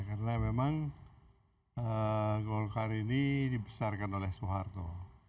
karena memang golkar ini dibesarkan oleh soeharto